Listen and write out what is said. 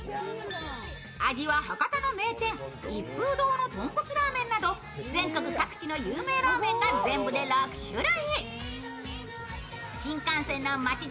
味は博多の名店、一風堂のとんこつラーメンなど全国各地の有名ラーメンが全部で６種類。